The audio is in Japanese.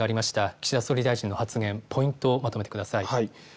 岸田総理大臣の発言のポイントをまとめてください。